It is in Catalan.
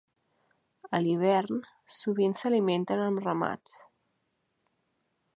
A l'hivern, sovint s'alimenten en ramats.